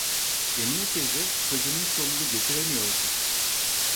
Emine teyze sözünün sonunu getiremiyordu.